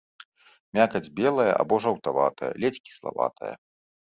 Мякаць белая або жаўтаватая, ледзь кіславатая.